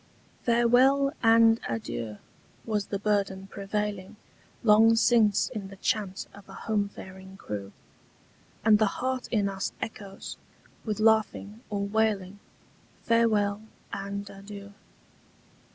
'FAREWELL and adieu' was the burden prevailing Long since in the chant of a home faring crew; And the heart in us echoes, with laughing or wailing, Farewell and adieu.